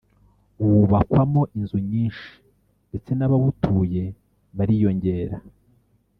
wubakwamo inzu nyinshi ndetse n’abawutuye bariyongera